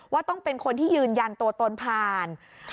ว่าต้องเป็นคนที่ยืนยันตัวตนผ่าน